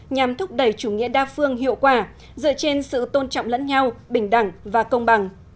nhằm thúc đẩy chủ nghĩa đa phương hiệu quả dựa trên sự tôn trọng lẫn nhau bình đẳng và công bằng